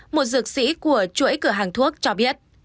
một dược sĩ của chuỗi cửa hàng thuốc cho biết